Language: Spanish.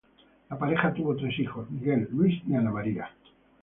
La pareja tuvo tres hijos: Miguel, Luis y Ana María.